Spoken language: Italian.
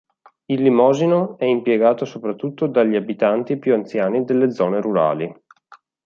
Il limosino è impiegato soprattutto dagli abitanti più anziani delle zone rurali.